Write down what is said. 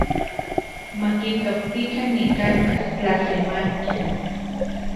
Makitoktikan nikanka’ tlasemanki.